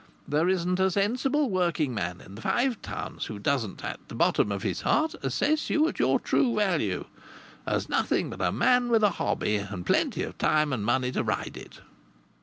There isn't a sensible working man in the Five Towns who doesn't, at the bottom of his heart, assess you at your true value as nothing but a man with a hobby, and plenty of time and money to ride it."